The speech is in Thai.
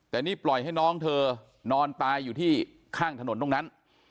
แต่นี่ปล่อยให้น้องเธอนอนตายอยู่ที่ข้างถนนตรงนั้น